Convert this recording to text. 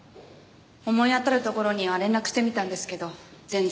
思い当たるところには連絡してみたんですけど全然。